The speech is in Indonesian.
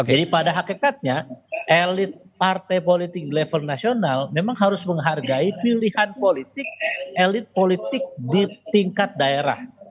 jadi pada hakikatnya elit partai politik di level nasional memang harus menghargai pilihan politik elit politik di tingkat daerah